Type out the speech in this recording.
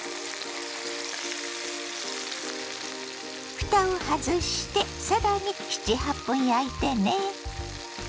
ふたを外してさらに７８分焼いてね。